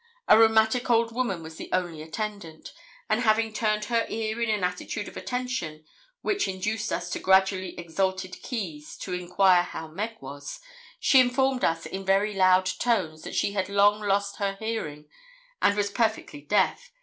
A rheumatic old woman was the only attendant; and, having turned her ear in an attitude of attention, which induced us in gradually exalted keys to enquire how Meg was, she informed us in very loud tones that she had long lost her hearing and was perfectly deaf.